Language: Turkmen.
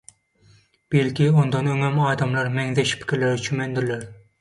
Belki ondan öňem adamlar meňzeş pikirlere çümendirler.